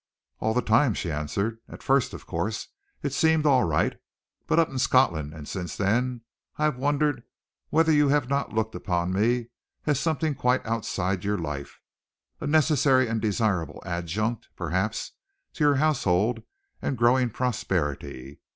"All the time," she answered. "At first, of course, it seemed all right, but up in Scotland, and since then, I have wondered whether you have not looked upon me as something quite outside your life, a necessary and desirable adjunct, perhaps, to your household and growing prosperity.